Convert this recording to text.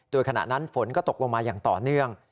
โดยขณะนั้นฝนก็ตกลงมาอย่างต่อเนื่อง